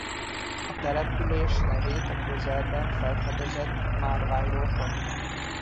A település nevét a közelben felfedezett márványról kapta.